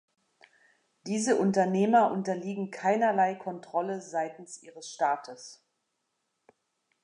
Diese Unternehmer unterliegen keinerlei Kontrolle seitens ihres Staates.